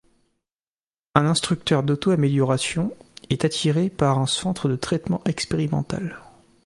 Un instructeur d'auto-amélioration, est attiré par un centre de traitement expérimental.